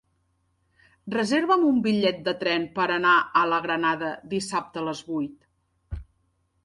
Reserva'm un bitllet de tren per anar a la Granada dissabte a les vuit.